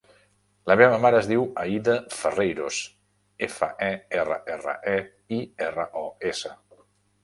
La meva mare es diu Aïda Ferreiros: efa, e, erra, erra, e, i, erra, o, essa.